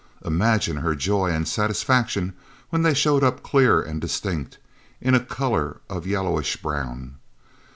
Imagine her joy and satisfaction when they showed up clear and distinct, in a colour of yellowish brown.